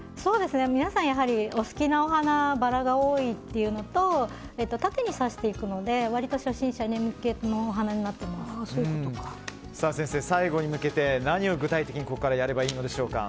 皆さんやはりお好きなお花バラが多いというのと縦に刺していくので割と初心者向けの先生、最後に向けて何を具体的にここからやればいいのでしょうか。